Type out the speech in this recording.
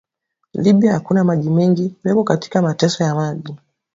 Libya akuna maji mengi weko katika mateso ya maji